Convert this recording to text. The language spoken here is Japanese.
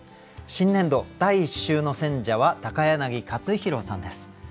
新年度第１週の選者は柳克弘さんです。